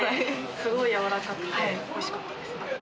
すごい柔らかくて、おいしかったです。